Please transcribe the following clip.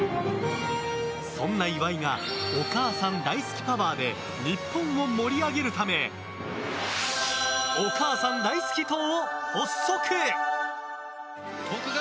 そんな岩井さんがお母さん大好きパワーで日本を盛り上げるためお母さん大好き党を発足。